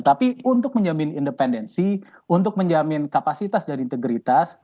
tapi untuk menjamin independensi untuk menjamin kapasitas dan integritas